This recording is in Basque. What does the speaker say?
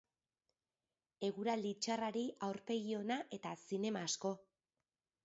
Eguraldi txarrari aurpegi ona eta zinema asko.